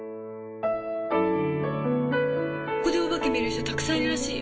ここでお化け見る人たくさんいるらしいよ。